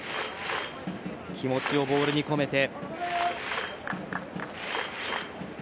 気持ちをボールにこめて。